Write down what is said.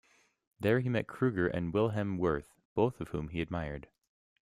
There he met Krueger and Wilhelm Wirth, both of whom he admired.